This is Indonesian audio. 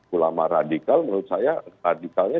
ulama radikal menurut saya radikalnya